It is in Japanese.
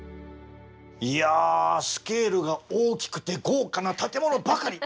いやスケールが大きくて豪華な建物ばかり。